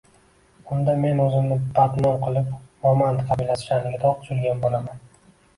Unda men o’zimni badnom qilib, momand qabilasi sha’niga dog’ tushirgan bo’laman.